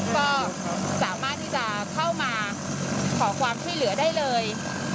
ก็สามารถที่จะเข้ามาขอความช่วยเหลือได้เลย